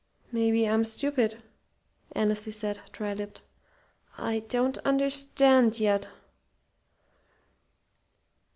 "Maybe I'm stupid," Annesley said, dry lipped. "I don't understand yet."